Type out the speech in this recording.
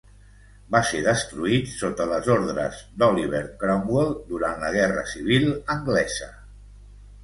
Va ser destruït sota les ordres d'Oliver Cromwell durant la Guerra Civil anglesa.